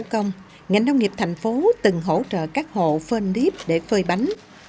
cho những người giống mình